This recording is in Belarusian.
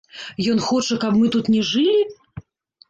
Ён хоча, каб мы тут не жылі?